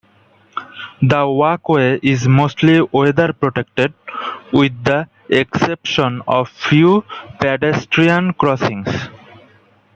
The walkway is mostly weather protected, with the exception of few pedestrian crossings.